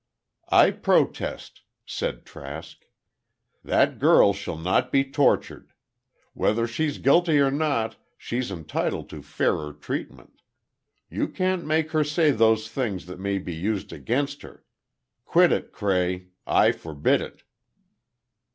"I protest!" said Trask. "That girl shall not be tortured. Whether she's guilty or not, she's entitled to fairer treatment. You can't make her say those things that may be used against her! Quit it, Cray. I forbid it."